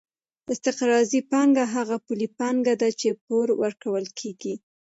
استقراضي پانګه هغه پولي پانګه ده چې پور ورکول کېږي